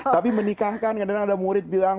tapi menikahkan kadang kadang ada murid bilang